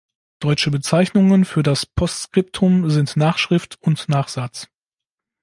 Deutsche Bezeichnungen für das Postskriptum sind "Nachschrift" und "Nachsatz".